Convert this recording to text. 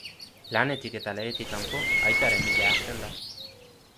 Lanetik eta legetik kanpo, aitaren bila hasten da.